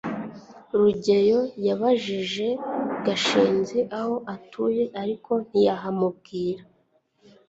rugeyo yabajije gashinzi aho atuye, ariko ntiyabimubwira